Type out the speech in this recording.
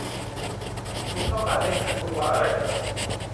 คุณต้องการให้ฉันพูดว่าอะไรหรอ